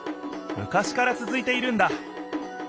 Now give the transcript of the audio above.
昔から続いているんだ。